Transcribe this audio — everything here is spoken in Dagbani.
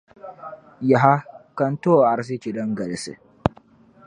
Yaha! Ka n-ti o arzichi din galsi.